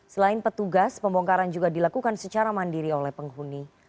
selain petugas pembongkaran juga dilakukan secara mandiri oleh penghuni